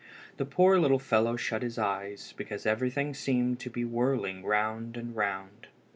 The poor little fellow shut his eyes, because everything seemed to be whirling round and round.